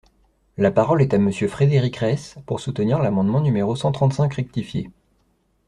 La parole est à Monsieur Frédéric Reiss, pour soutenir l’amendement numéro cent trente-cinq rectifié.